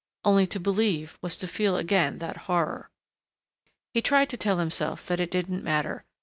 Only to believe was to feel again that horror.... He tried to tell himself that it didn't matter.